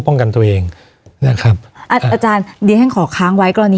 ป้องกันตัวเองนะครับอ่าอาจารย์เดี๋ยวให้ขอค้างไว้ก่อนนี้